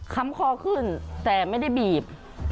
คำคอขึ้นแต่ไม่ได้บีบ